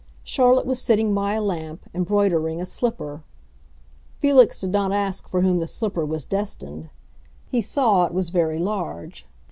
Charlotte was sitting by a lamp, embroidering a slipper. Felix did not ask for whom the slipper was destined; he saw it was very large.